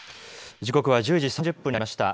時刻は１０時３０分になりました。